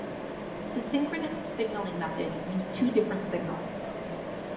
The synchronous signalling methods use two different signals.